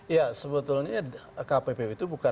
ya sebetulnya kppu itu bukan